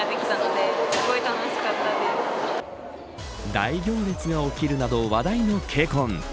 大行列が起きるなど話題のＫＣＯＮ。